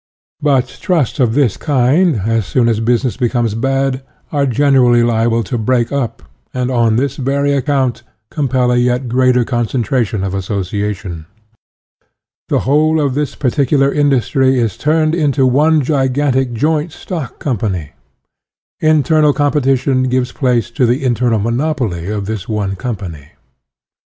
But trusts of this kind, as soon as business becomes bad, are generally liable to break up, and, on this very account, compel a yet greater concentration of association. The whole of the particular industry is turned into one gigantic joint stock com pany; internal competition gives place to the internal monopoly of this one company.